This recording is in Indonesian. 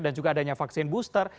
dan juga adanya vaksin booster